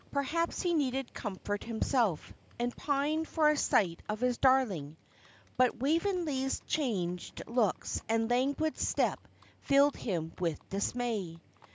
Perhaps he needed comfort himself, and pined for a sight of his darling. But Waveney's changed looks and languid step filled him with dismay.